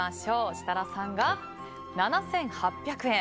設楽さんが７８００円。